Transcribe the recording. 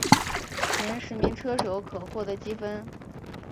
前十名车手可获得积分。